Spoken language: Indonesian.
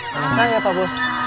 masa ya pak bos